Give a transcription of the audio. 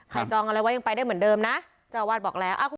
จองอะไรไว้ยังไปได้เหมือนเดิมนะเจ้าวาดบอกแล้ว